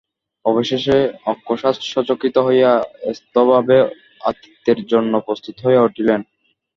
অবশেষে অকস্মাৎ সচকিত হইয়া ত্রস্তভাবে আতিথ্যের জন্য প্রস্তুত হইয়া উঠিলেন।